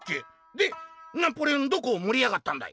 「でナポレオンどこを盛りやがったんだい？」。